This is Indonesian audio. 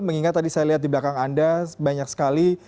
mengingat tadi saya lihat di belakang anda banyak sekali